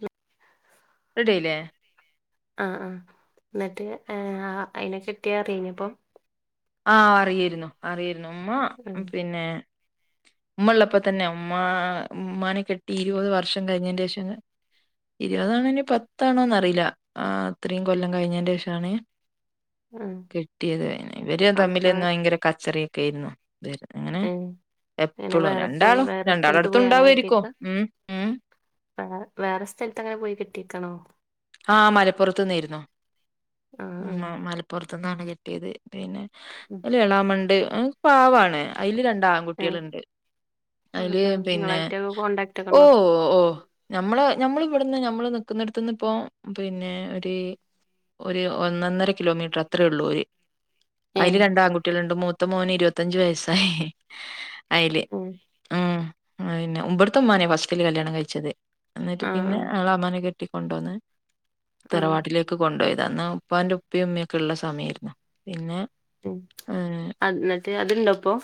ഉ റഡിയായിലേ.. ആഹ് ആഹ് എന്നിട്ട് അയിന കെട്ടിയാ അറിഞ്ഞിപ്പം ആ അറിയേര്ന്നു അറിയേര്ന്നു ഉമ്മ ഉം പിന്നെ ഉമ്മള്ളപ്പോ തന്നെ ഉമ്മാ ഉമ്മാനെ കെട്ടി ഇരുവത് വർഷം കഴിഞ്ഞേന്റെഷം [unintelligible] ഇരുപതാണോ നി പത്താണോന്നറീലാ. ആ അത്രീം കൊല്ലം കയ്ഞ്ഞേന്റെഷാണ് ഉം കിട്ടിയത് തന്നെ ഇവര് അപ്പൊ തമ്മിൽന്ന് ഭയങ്കര കച്ചറയൊക്കെ ആരുന്നു വെറുതെ ഇങ്ങനെ ഏഹ് അങ്ങനെ എപ്പളും വേറെ പോയി രണ്ടാളും വേറെ സ്ഥലത്ത് രണ്ടാളെട്ത്തും പോയി ണ്ടാവേര്ക്കും കിട്ടിയേക്കാ ഉം ഉം അങ്ങനെ വേറെ സ്ഥലത്തങ്ങനെ പോയി കെട്ട്യേക്കണോ ആഹ് മലപ്പുറത്ത് ന്നെയിരുന്നു ആഹ് ആഹ് ഉമ് മലപ്പുറത്തു നിന്നാണ് കെട്ടിയത് പിന്നെ ഉം. ഒരെളാമണ്ട് അത് പാവാണ് അയ്ല് രണ്ടാ ഏഹ് കുട്ടികളുണ്ട് ആഹ് അതില് ആഹ് പിന്നെ നിങ്ങളായിട്ടൊക്കെ കോണ്ടാക്ട് ഒക്കെ ഓ ഉണ്ടോ ഓ നമ്മള് ഞമ്മൾ ഇവിടെന്ന് നമ്മള് നിക്കുന്നിടുത്തന്ന് ഇപ്പോ പിന്നെ ഒരു ഒരു ഒന്നൊന്നര കിലോമീറ്റർ അത്രേ ഉള്ളൂ ഓര് അയ്ല് ഏഹ് രണ്ടാങ്ങുട്ട്യാള്ണ്ട് മൂത്ത മോന് ഇരുപത്തഞ്ച് വയസായി അയില്. ഉം ഉം, പിന്നെ വട്ത്തെ ഉമ്മാനെ ഫസ്റ്റില് കല്യാണം കയ്ച്ചത്. എന്നിട്ട് ആഹ് പിന്നെ ആഹ് എളാമാനെ കെട്ടി കൊണ്ടോന്ന് ആഹ് തറവാട്ടിലേക്ക് കൊണ്ടോയതാ. ന്ന് ഉപ്പാന്റെ ഉപ്പിം ഉമ്മിം ക്കെള്ള സമ്യേര്ന്ന്. പിന്നെ, ഉം. അന്നട്ട് അത്ണ്ടോപ്പൊ.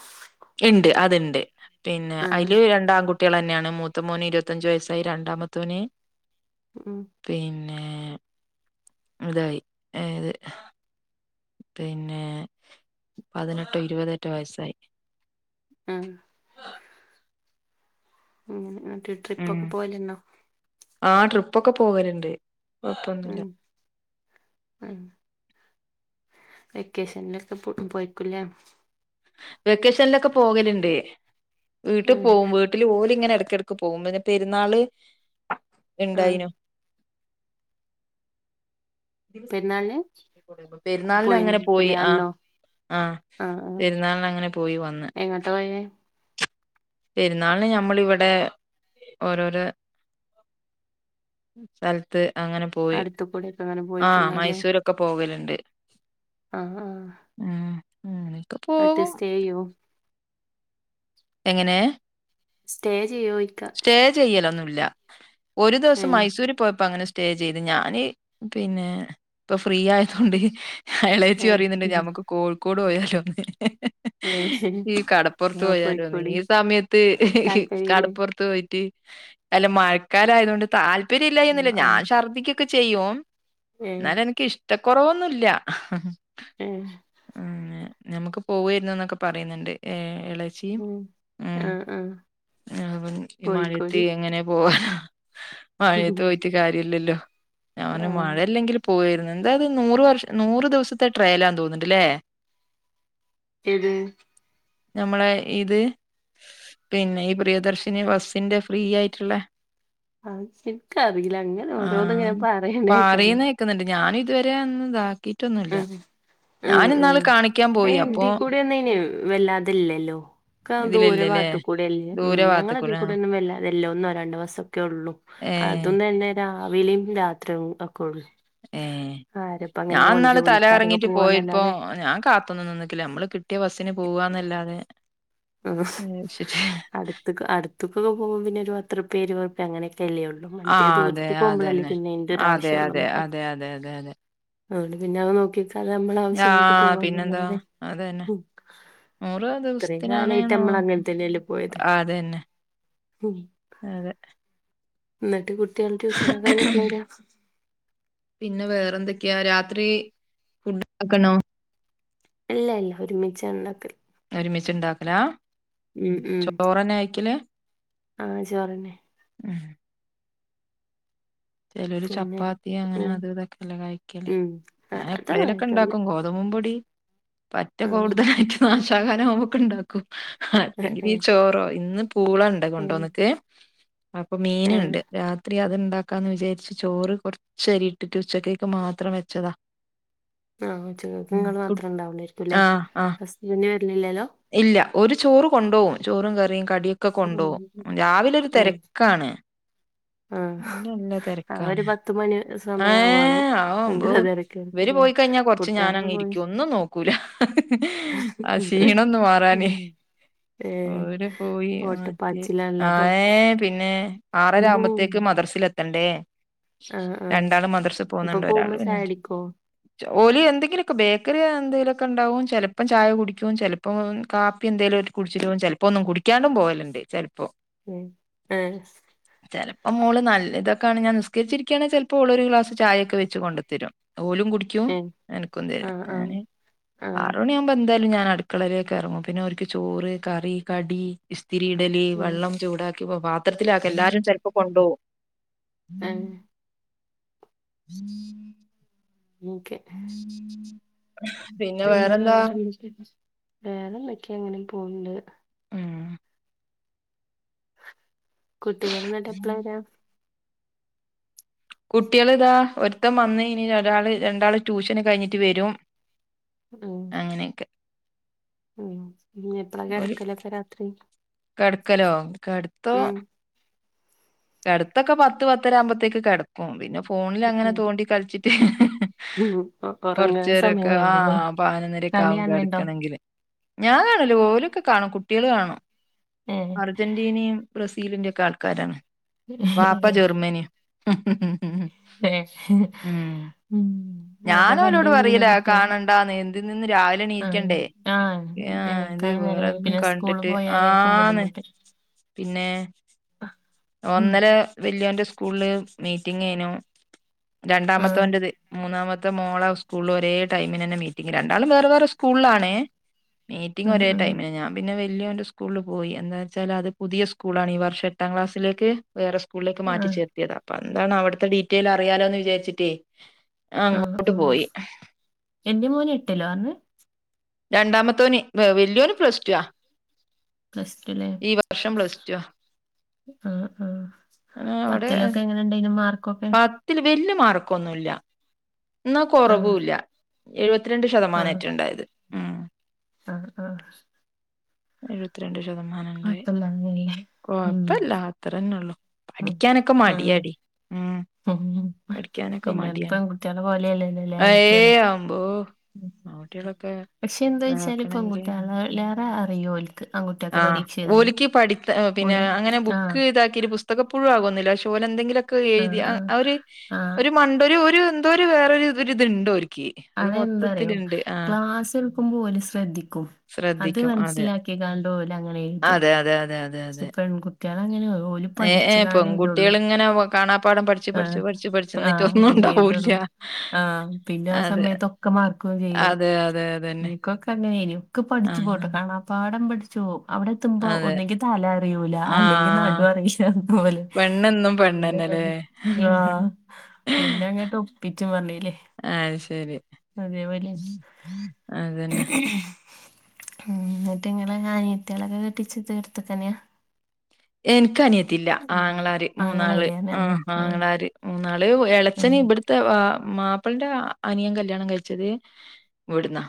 ഉണ്ട് അത്ണ്ട് പിന്നെ ആഹ് അതില് രണ്ടാംൺകു കുട്ടികൾ തന്നെയാണ് മൂത്ത മോന് ഇരുപത്തഞ്ചു വയസ്സായി രണ്ടാമത്തോന് ഉം പിന്നെ ഇതായി ഏത് പിന്നെ പതിനെട്ടോ ഇരുപതെറ്റെ വയസ്സായി ആഹ് ഉം ഉം എന്നിട്ട് ട്രിപ്പ് ഒക്കെ പോകലെണ്ടാ ആഹ് ട്രിപ്പ് ഒക്കെ പോകല്ണ്ട് ഉം ഉം വെക്കേഷനിലൊക്കെ പോയിക്കൂല്ലേ വെക്കേഷനിലൊക്കെ പോകല്ണ്ട് വീട്ട് ആഹ് പോകും വീട്ടില് ഓല്ങ്ങനെ എടക്കെട ക്ക് പോകുമ്പോന്നെ പെരുന്നാള് ആഹ് ണ്ടായിനു പെരുന്നാളിന് പെരുന്നാളിന് പോയി. അങ്ങനെ ആ [unintelligible] ആ ആ പെരുന്നാളിന് അങ്ങനെ പോയി വന്ന് എങ്ങോട്ട പോയേ പെരുന്നാളിന് ഞമ്മൾ ഇവിടെ ഓരോരോ സ്ഥലത്ത് അങ്ങനെ പോയി അടുത്ത് കൂടെയൊക്കെ അങ്ങനെ ആഹ് പോയിട്ടുണ്ടാവുല്ലേ മൈസൂരൊക്കെ ഒക്കെ പോകലുണ്ട് അ ഹ ഉം ഉ അങ്ങനെക്കാ [unintelligible] എങ്ങനെ സ്റ്റേ ചെയ്യോ ചോയ്ക്ക സ്റ്റേ ചെയ്യലൊന്നുമല്ല ഒരു ദിവസം ഏഹ് മൈസൂർ പോയപ്പോ അങ്ങനെ സ്റ്റേ ചെയ്ത്. ഞാന് പിന്നെ പ്പൊ ഫ്രീയായതോണ്ട് എളേച്ചി പറയ്ന്ന്ണ്ട് ഏഹ് ഞമ്മക്ക് കോഴിക്കോട് പോയാലോന്ന് ഏഹ് ഈ കടപ്പുറത്ത് ആഹ് പോയാലോന്ന് പോയിക്കൂടി ഈ സമയത്ത് കട താല്പര്യല്ലേ പൊറത്തോയിട്ട് അല്ല മഴക്കാലായതോണ്ട് താല്പര്യയില്ലായ്ക ആഹ് ഒന്നുല്ല ആഹ് ഞാൻ ശർദിക്ക് ക്കെ ചെയ്യും ഏഹ് ന്നാലെനിക്ക് ഇഷ്ടക്കൊറവൊന്നുല്ല ഏഹ് ഉ നമ്മക്ക് പോവേര്ന്ന് ന്നൊക്കെ പറയ്ന്ന്ണ്ട് എ എളേ ഉം, ആഹ്, ആഹ് ഹിമാലയത്തി പോയിക്കോടി എങ്ങനെ പോവാന മഴേത്ത് പോയിട്ട് കാര്യല്ലല്ലോ ഞാൻ പർഞ് ആഹ് മഴ ല്ലെങ്കില് പോയിരുന്നു എന്താത് നൂറ് വർഷം നൂറ് ദിവസത്തെ ട്രയലാന്ന് തോനു ന്നുണ്ട് ല്ലെ.. [unintelligible] ത് ഞമ്മളെ ഇത്, പിന്നെ ഈ പ്രിയ ദർശിനി ബസ്സിന്റെ ഫ്രീ ആയിട്ടുള്ള അഹ് ശരി ക്ക് അറിയില്ല ഇങ്ങനെ ഓരോന്ന് ങ്ങനെ പറയണേക്കാലോ.. ക്കുന്നുണ്ട് ഞാൻ ഇതുവരെ ഒന്നിതാ ഉം ഉം ഉം കാണിക്കാൻ പോയി. അപ്പൊ അതെന്തി കൂടെ വന്നെന്നു വല്ലാത ഇല്ലല്ലോ ഒക്കെ ദൂര ഇതിലില്ലല്ലേ ഭാഗത്ത് കൂടി അല്ലെ ദൂര ഞങ്ങള ഇതിൽ ഭാഗത്ത്ക്കൂടെ കൂടെ ആഹ് ഒന്നും വല്ല തെല്ലൊന്നും രണ്ട് മാസൊക്കെ ഉള്ളു ഏഹ് അതൊന്നും തന്നെ രാവിലേം രാത്രിയും ഒക്കെ ഉ ആരപ്പങ്ങനെ [unintelligible] തലകറങ്ങിട്ട് പോയപ്പോ ഞാൻ കാത്തൊന്നും നിന്ന്ട്ടില്ല നമ്മള് കിട്ടിയ ബസ്സിന് പോവാന്നല്ലാതെ ഉം അടുത്ത് അടുത്ത്ക്കൊക്കെ പോകുമ്പോ പിന്നെ ഒരു പത്തുർപ്യ ഇരുവൊർപ്യ അങ്ങനെക്കെ ല്ലേ ഉള്ളൂ മറ്റേ ആഹ് അതെ ദൂരത്ത് പോക്മ്പോളല്ലേ അതന്നെ. പിന്നെ എന്റെ അതെ ഒരാവശ്യള്ളു അതെ നുക്ക് അതെ അതെ അതെ അതെ. അതുകൊണ്ട് പിന്നെ അവ നോക്കിട്ട അത് നമ്മൾ ആവശ്യങ്ങൾക്ക് ആഹ് പിന്നെന്താ പോവാന്നല്ലതെ അതന്നെ നൂറ ദിവസം ഇത്രയും കാലായിട്ട് നമ്മൾ അങ്ങനത്തന്നല്ലേ പോയത് അതന്നെ ഉം അതെ. ന്ന്ട്ട് കുട്ട്യാള് ട്യൂഷനും കയ്ഞ് പോരാ പിന്നെ വേറെന്തൊക്കെയാ രാത്രി ഫുഡാക്കണോ ഇല്ല ഇല്ല ഒരുമിച്ച ഉണ്ടാക്കൽ ഒരുമിച്ച്ണ്ടാക്കലാ. ഉം ചോറെന്നെ കയിക്കല്. അഹ് [unintelligible] [inaudible] ചെലോര് പിന്നെ ചപ്പാത്തി അങ്ങനെ ഉം അത് ഇതൊക്കല്ലെ കയ്ക്കല് ഉം ആ, ഞാൻ അതൊന്നും എപ്പളേലൊക്കെ കഴിക്കലില്ല ണ്ടാക്കും ഗോ അത് മുമ്പൊടി പറ്റെ ആ ഉം കൂടുതലായിട്ട് നാശാക്കാനും നമുക്ക് ഉണ്ടാക്കും അല്ലെങ്കിൽ ഏ ചോറോ ഇന്ന് പൂള ഇണ്ട് ഏ, കൊണ്ടോന്നിക്ക് അപ്പൊ ഏ. മീനുണ്ട് രാത്രി അത്ണ്ടാ ക്കാന്ന് വിചാരിച്ച് ചോറ് കൊർച്ചരിട്ടിട്ട് ഉച്ചക്കേക്ക് മാത്രം വെച്ചതാ ആഹ് ഉച്ചക്ക് ഇങ്ങൾ ഉം മാത്രം ഉണ്ടാവുള്ളാരിക്കും അല്ലെ ഹസ്‌നി വരുന്നില്ലല്ലോ ഇല്ല്യ. ഓര് ചോറ് കൊണ്ടോവും. ചോറും കറിയും കടിയൊക്കെ കൊണ്ടോവും. ഉം. രാവിലൊരു ഏ തെരക്കാണ്. ആ ഇന്റാ നല്ല ആ ഒരു തെരക്കാണ്. പത്ത് മണി ഏ സമയാവോളം ആ അമ്പോ ഭയങ്കര ഇവര് തിരക്കായിരിക്കുംല്ലേ പോയിക്കയ്ഞ്ഞാ കൊർച്ച് കുട്ടികളൊക്കെ ഞാനങ് പോയി രിക്കും ഒന്നും നോക്ക കുല ആഹ് ക്ഷീണൊന്ന് ഉം മാറാന് ഏ ഓര് പോയി [unintelligible] ഓട്ടപ്പാച്ചിലാണല്ലോ അപ്പൊ ആയി പിന്നെ ഉം ആറരാവുമ്പത്തേക്ക് മദ്രസ്ൽ എത്തണ്ടേ ആ ആ രണ്ടാള് മദർസ് അപ്പൊ പോന്ന്ണ്ട് ഒരാള് പോകുമ്പോ പിന്നെ ചായ കുടിക്കോ [unintelligible] ഓല് എന്തെങ്കിലൊക്കെ ബേക്കറി എന്തെലൊക്കെ ണ്ടാവും ചെലപ്പം ചായ കുടിക്കും ചെലപ് ഇപ്പോം കാപ്പി എന്തേലോല് കുട്ച്ച്ട്ട് പോം ചെൽപ്പൊന്നും കുടിക്കാണ്ടും പോകല്ണ്ട് ചെൽപ്പോ ഉം എ ചെൽപ്പോ മോള് നല്ലതൊക്കാണ് ഞാൻ നിസ്കരിച്ചിരിക്ക്യാണെങ്കി ചെൽ ഇപ്പോളൊരു ഗ്ലാസ് ചായൊക്കെ വെച്ച് കൊണ്ട് തരും. ഓലും കുടിക്കു ക്കും ഏ എനക്കും തരാ ആ ആ ഞാന് ആഹ് ആറുമണിയാ ഇപ്പ എന്തായാലും ഞാൻ അടുക്കളയിലേക്ക് ഇറങ്ങും പിന്നെ ഓരുക്ക് ചോറ് കറി കടി ഇസ്തിരി ഇടല് ആഹ് വെള്ളം ചൂടാക്കി പാത്രത്തിലാക്ക എല്ലാരും ചെലപ്പോ കൊണ്ടുപോവും [unintelligible] [inaudible] ഓക്കെ പിന്നെ വേറെന്താ വേറെന്തക്കായ ഇങ്ങനെ പോവണ്ട് ഉം കുട്ടികള് ന്നട്ട് എപ്പളാ വരാ കുട്യള് താ ഒരുത്തൻ വന്ന് ഇനി ഒരാള് രണ്ടാള് ട്യൂഷന് കഴിഞ്ഞിട്ട് വെരും. ഉം ഉം ഇഞ് എപ്പളാ കെടക്കലൊക്കെ രാത്രി. കെട്ക്കലോ കെട്ത്തോ ഉം കെട്ത്തക്കെ പത്ത് പത്തര ആവുമ്പോത്തേക്ക് കെട പിന്നെ ഫോണില് അങ്ങനെ ഉം തോണ്ടി കൾച്ചിട്ട് ഉം ഒ ഒറങ്ങാൻ സമയം കൊറച്ചെരൊക്കെ ആ വൈകില്ലേ പതിനൊന്നര ക്കെ കളി ആവും കാണല്ണ്ടോ കെടക്കണങ്കില് ഞാൻ കാണൂല ഓലൊക്കെ കാണും കുട്ടികൾ കാണും ഏ അർജന്റീനിം ബ്രസീലിന്റെക്കെ ആൾക്കാരാണ് വാപ്പ ജെർമ്മനിം. ഉം അതൊക്കെ ഞാന് ഓലോട് കണ്ടഴിഞ്ഞ് പിന്നെ പറയല കുട്ട്യാള് കാണണ്ട എന്തി നിന്ന് രാവിലെ ആഹ് നീക്കണ്ടേ ആഹ് ഇത് എണീക്കാനും നേരം വൈകും വേറെന്നും പിന്നെ സ്കൂള് കണ്ടിട്ട് പോയാലായിരിക്കും ആന്ന്. പിന്നെ ആഹ് ഒന്നലെ വെല്യോന്റെ സ്കൂളില് മീറ്റിങ്ങാ ന്നു ആഹ് രണ്ടാമതോന്റത് മൂന്നാമ ഇത്തെ മോള സ്കൂളിൽ ഒരേടൈമിനന്നെ മീറ്റിംഗ് രണ്ടളും വേറെ വേറെ സ്കൂളാണ് മീറ്റിംഗ് ആഹ് ഒരേ ആഹ് ടൈമിന് ഞാൻ പിന്നെ വല്യന്റെ സ്കൂളിൽ പോയി എന്താച്ചാൽ അത് പുതിയ സ്കൂളാണ് ഈ വർഷം എട്ടാം ക്ലാസ്സിലേക്ക് വേറെ സ്കൂളിലേക്ക് മാറ്റി ആഹ് ചേർത്തിയതാ അപ്പൊ എന്താണ് അവിട്ത്തെ ഡീറ്റെയിൽ അറിയാലോന്ന് വിചാരിച്ചിട്ടേ. ആഹ് ആ അങ്ങോട്ട് പോയി എന്റെ മോന് എട്ടിലാന്ന് രണ്ടാമത്തോന് വലിയോന് പ്ലസ്ടു ആ പ്ലസ് ടുല്ലേ ഈ വർഷം പ്ലസ് ടു ആ ആ ആ പത്തിലൊക്കെ എങ്ങനെ ണ്ടായിരുന്നു മാർക്കൊക്കെ ത്തി ല് വല്യ യ മാർക്കൊന്നൂല്ല എന്ന ആഹ് കൊറവൂല്ല എഴുപത്തിരണ്ട് ആഹ് ശതമാനറ്റെ ണ്ടായത്. ആഹ് ആഹ് എഴുപത്തിരണ്ട് ശതമാനം ണ്ടായെ കൊഴപ്പല്ലായിരുന്നല്ലേ ഉം കൊഴപ്പല്ല അത്രന്നോള്ളു ഉം പഠിക്കാനൊക്കെ മടിയാടി ഉം. പടിക്കാനൊക്കെ പിന്നെ അത് മടിയാണ് പെൺകുട്ടികളെ പോലെയല്ലല്ലോല്ലേ ആൺകുട്ടികള് ഏയ് അമ്പോ ആ കുട്ടികളൊക്കെ പക്ഷെ എന്താച്ചാല് ഇപ്പ പൺകുട്ടാ ളീല്ലേറെ അറിയോൽക്ക് ആൺകുട്ടിയാക്ക് ആഹ് പരീക്ഷ എഴുതാൻ. ഓലിക്ക് പഠിത്ത പിന്നെ അങ്ങനെ ബുക്ക് ഇതാക്കീട്ട് പുസ്തകം പുഴവാകൊന്നില്ല പക്ഷേഓലെന്തേങ്കിലൊക്കെ ആഹ് എഴുതിയ ആഹ് ഒര് ആഹ് ഒരു മണ്ടൂര് ഒരു എന്തൊരു വേറരുരിത്ണ്ടോര്ക്ക്. അതെന്താറിയോ ക്ലാസ്ട്ക്കുമ്പോല് ശ്രദ്ധിക്കും. അത് ശ്രദ്ധിക്കും അതെ മനസ്സിലാക്കികാണ്ട് ഓലങ്ങനെ എഴുതും അതെ അതെ അതെ അതെ അതെ ക്ഷേ പെൺകുട്ട്ട്യാളങ്ങനെഓൽ ഏ ഏ പഠിച്ച്കാണ്ടെ ഇതുള്ളൂ പെൺകുട്ടികളിങ്ങനെ കാണാപ്പാഠം പഠിച്ച് ആ പഠിച്ച് പഠിച്ച് പഠിച്ച് എന്നിട്ട് ആഹ് ഒന്നും ഉണ്ടാവൂല്ല. അങ്ങനെഴ്തൊള്ളൂ ആ ഹ്പിന്നെ അതെ. സമയത്തൊക്കെ മാർക്കും ചെയ്യും അതെ അതെ അതന്നെ. ഇക്കാക്ക അങ്ങനെയ്നി ഒക്ക ആ പഠിച്ചു പോവുട്ടോ കാണാപ്പാഠം പഠിച്ചു പോവും അവിടെ എത്തുമ്പോ അതെ. ഒന്നങ്കി തല അറിയൂല ആ അല്ലെങ്കിൽ നടു അറിയീല്ല അതുപോലെ പെണ്ണെന്നും പെണ്ണെന്നെല്ലേ? ആഹ് പിന്നെ അങ്ങട്ട് ഒപ്പിച്ചും പറഞ്ഞീലെ. അയ് ശരി അതേപോലെ ഉം അതന്നെ. ഉം ന്നട്ട് ഇങ്ങളെ അനിയത്തിളൊക്കെ കെട്ടിച്ച ഇത് എടുത്തക്കനെയാ എനക്ക് അനിയത്തില്ല, ആങ്ങളാര് മൂന്നാള് ആങ്ങളല്ലേ ആഹ് ഉം ആഹ് ആങ്ങളാര് ന്നാള് ഉം എളച്ചന് ഇപ്ട്ത്തെ മാപ്പിളന്റെ അനിയൻ കല്യാണം കഴിച്ചത് ഇവിടുന്നാ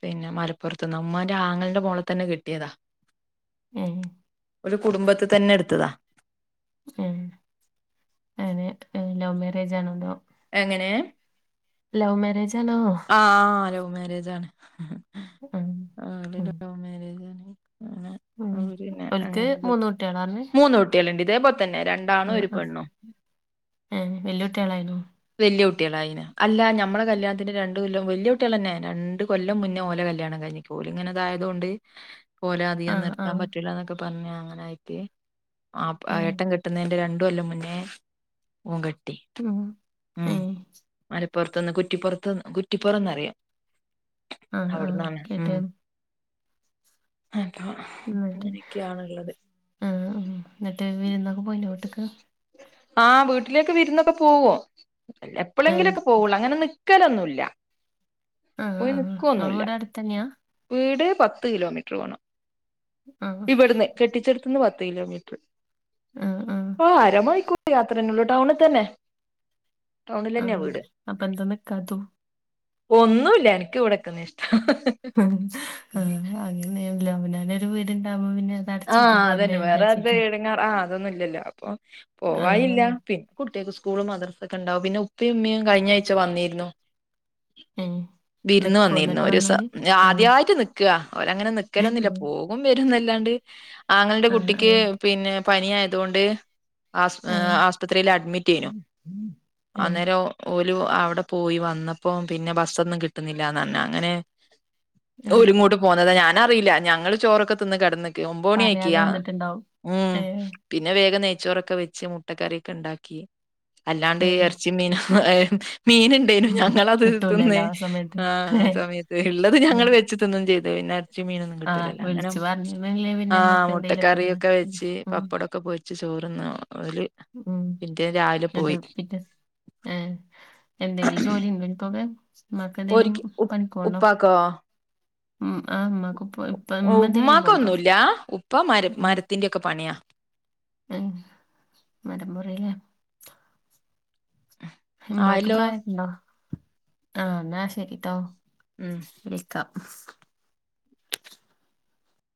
പിന്നെ മലപ്പുറത്ത്ന്ന് ഉമ്മാ ന്റെ ആങ്ങൾന്റെ മോളെ തന്നെ കെട്ടിയതാ. ഏ ഒരു കുടുംബത്ത്തന്നെ ഇട്ത്തതാ ആഹ് അയിന് ലവ് മാരേജ് ആണൊ അതൊ എങ്ങനെ? ലൗ മ്യാരേജാണോ ആഹ് ലവ് മാരേജാണ്. ഉം ആ ഓല് ഉം ലവ് മാരേജാണ് ഉം അവര് പിന്നെ ഓൽക്ക് അങ്ങനെ മൂന്ന് കുട്ടികളാ പറഞ്ഞെ മൂന്നോട് ണ്ട് ഇതേപോലെതന്നെ രണ്ട് ആ ആ ഏ വെല്യുട്ടിലയാണോ വല്ല്യ കുട്ട്യാളായ്ണ് അല്ല ഞമ്മള കല്യാണത്തിന്റെ രണ്ട് കൊല്ലം വല്യാകുട്ട്യളന്നെ രണ്ട് കൊല്ലം മുന്നേ ഓലെ കല്യാണം കയിഞ്ഞ് ക്ക് ണ് ഓല് ഇങ്ങനെതായതൊണ്ട് ഓലെ ആ അധികം ആ നിർത്താൻ പറ്റൂല്ല ന്നൊക്കെ പറഞ്ഞ അങ്ങനായിട്ടെ ആ അപ്പ ഏ ഏട്ടൻ കെട്ടുന്നതിന്റെ രണ്ടുകൊല്ലം മുന്നേ ഓൻകെട്ടി മ്ഹ് ഉം മലപ്പറത്തു ന്ന് കുറ്റിപ്പറത്ത്ന്ന് കുറ്റിപ്പറന്നറിയും ആഹ് ആഹ് കേട്ട്ണ് അപ്പൊ ന്നട്ട് അങ്ങനെയൊക്കെയാണുള്ളത് ആ ന്നട്ട് വിര് ന്നൊക്കെ പോയിനോ വീട്ട് ക്ക് ആഹ് വീട്ടിലേക്ക് വിരുന്നൊക്കെ പോവോ എപ്പോളെ ഏ ങ്കിലൊക്കെ പോവുള്ളു അങ്ങനെ നി ക്കലൊന്നുല്ല ആഹ ആ ങ്ങള്വ്ടെ അടുത്തന്നെയാ വീട് പത്ത് കിലോമീറ്റർ പോണം ആ ഇവിടുന്ന് കെട്ടിച്ചെടുത്ത്ന്ന് പത്ത് കിലോമീറ്റർ ആ അരമാണിക്കൂർ യാത്രേന്നള്ളു ടൗണിൽ തന്നെ ആ ടൗണിലന്നെയാ വീട് അപ്പൊ എന്താ നിക്കാത്തു ഒന്നുല്ല എനിക്ക് ഇവിടെക്കന്നാ ഇഷ്ടം [unintelligible] മ് ഹ് അങ്ങനല്ല അവനൊരു വീട്ണ്ടാവുമ്പൊ പിന്നെ ആഹ അടച്ചൂട്ടി പോണ്ടേ അതന്നെ വേറെ അത് വിചാരിച്ചിട്ട് ഇടങ്ങാറ് ആ അതൊന്നുംല്ലല്ലോ അപ്പൊ ആ പോവായില്ല പിന്നെ കുട്ടികൾക്ക് സ്കൂള് മദ്റസൊക്കെ ഉണ്ടാവും പിന്നെ ഉപ്പേ ഉമ്മയും കഴിഞ്ഞ ആഴ്ച വന്നിരുന്നു ഏ വിരുന്ന് നിക്കോ വന്നിരുന്നു എന്നിട്ട് ഒരു ദിവസം വന്നാല് ആ ആദ്യായിട്ട് നിക്ക അവരങ്ങനെ നിക്കലൊന്നില്ല പോക ഓൻ വരുന്നല്ലാണ്ട് ആങ്ങളന്റെ ആ കുട്ടിക്ക് പിന്നെ പനിയായതോണ്ട് ആസ് ആ ആ ആസ്പത്രില് അഡ്മിറ്റെയ്നു ഏ അന്നേരം ഓല് ഔടെ പോയി വന്നപ്പോ പിന്നെ ബസ്സൊന്നും കിട്ടുന്നില്ലന്ന്റഞ് അങ്ങനെ ഉം ഓല്ങ്ങോട്ട് പോന്നതാ ഞാനറിയില്ല ഞങ്ങള് ചോറൊക്കെ തിന്ന് കിടന്ന് ഒമ്പണി പറയാതെ ആയിക്കിയ വന്നിട്ടുണ്ടാവും ഉം ഏ പിന്നെ വേഗം നെയ്ച്ചോറൊക്കെ വെച്ച് മുട്ടക്കറിയൊക്കെ ണ്ടാക്കി അല്ലാണ്ട് ഏ എറച്ചി മീന [unintelligible] മീന് [unintelligible] ഉം. ഞങ്ങളത് തിന്ന് കിട്ടൂലല്ലോ ആ സമയത്ത് ആ ആ ഏ, സമയത്ത് ള്ളത് ഉം ഞങ്ങൾ വെച്ച് തിന്നും ചെയ്ത പിന്നെ എറച്ചി ആഹ് വിളിച്ചു പറഞ്ഞേ [unintelligible] ആ മുട്ടക്കറിയൊക്കെ വെച്ച് പപ്പടൊക്കെ പൊരി ച്ച് ചോറന്ന ഓല് ഉം പിറ്റേ രാവിലെ പോയി [unintelligible] ഏ എന്തെങ്കിലും ജോലിണ്ടോ നക്കൊക്കെ മ്മാക്ക് എന്തേലും ഓര്ക്ക് ഉ പണിക്കോണോ ഉപ്പാക്കോ ഉ അഹ് മ്മാക്ക് ഓ ഉമ്മാക്കൊന്നുല്ല ഉപ്പ മര മരത്തിന്റൊക്കെ പണിയാ ഏ മരംമുറിലാ [inaudible] ഉമ്മാക്ക് ആയല്ലോ പ്രായക്ക്ണ്ടോ ആഹ് ന്നാ ശരിട്ടോ ഉം വിളിക്കാം